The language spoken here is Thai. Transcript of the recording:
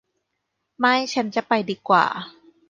ไม่ฉันจะไปดีกว่า